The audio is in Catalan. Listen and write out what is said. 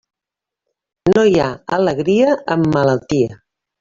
No hi ha alegria amb malaltia.